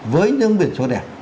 với những biển số đẹp